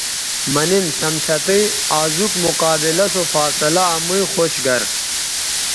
مہ نِن شمشتئ آزوک مقابلہ سو فاصلہ تو امئ خوش گر